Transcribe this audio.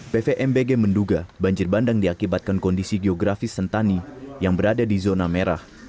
pvmbg menduga banjir bandang diakibatkan kondisi geografis sentani yang berada di zona merah